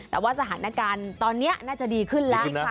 แต่ว่าสถานการณ์ตอนนี้น่าจะดีขึ้นแล้ว